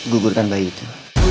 gugurkan bayi itu